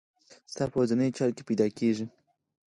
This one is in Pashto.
ستا په ورځنيو چارو کې موندل کېږي.